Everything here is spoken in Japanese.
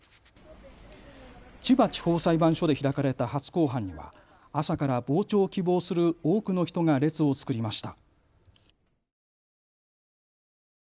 千葉地方裁判所で開かれた初公判には朝から傍聴を希望する多くの人が列を作りました。